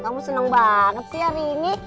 kamu senang banget sih hari ini